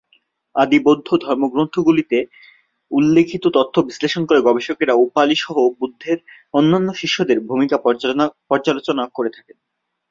আদি বৌদ্ধ ধর্মগ্রন্থগুলিতে উল্লিখিত তথ্য বিশ্লেষণ করে গবেষকেরা উপালি-সহ বুদ্ধের অন্যান্য শিষ্যদের ভূমিকা পর্যালোচনা করে থাকেন।